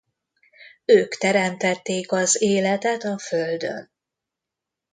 Ők teremtették az életet a Földön.